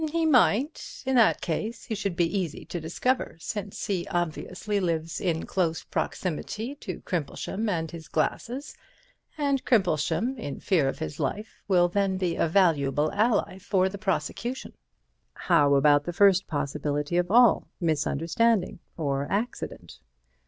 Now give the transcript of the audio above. "He might. In that case he should be easy to discover, since he obviously lives in close proximity to Crimplesham and his glasses, and Crimplesham in fear of his life will then be a valuable ally for the prosecution." "How about the first possibility of all, misunderstanding or accident?"